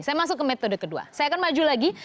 saya masuk ke metode kedua saya akan maju lagi